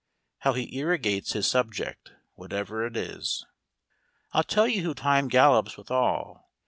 How he irrigates his subject, whatever it is. I'll tell you who Time gallops withal!